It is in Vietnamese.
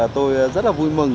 tôi rất là vui mừng